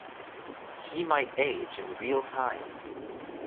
He might age in real time.